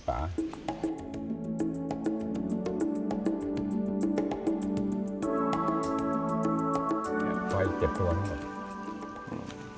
ขวายเจ็ดตัวนั้นหมด